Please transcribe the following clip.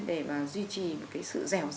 để mà duy trì một cái sự dẻo dai